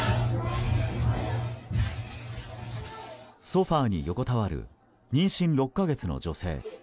ソファに横たわる妊娠６か月の女性。